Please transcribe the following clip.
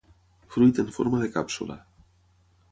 Fruit en forma de càpsula.